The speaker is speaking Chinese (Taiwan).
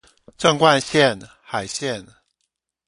縱貫線海線